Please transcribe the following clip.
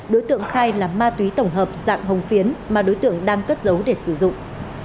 đối tượng khai là ma túy tổng hợp dạng hồng phiến mà đối tượng đang cất giấu để sử dụng